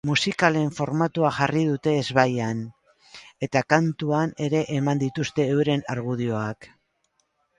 Musikalen formatua jarri dute ezbaian, eta kantuan ere eman dituzte euren argudioak!